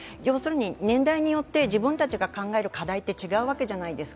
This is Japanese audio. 年代によって自分たちが考える課題って違うわけじゃないですか。